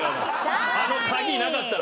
あの鍵なかったら。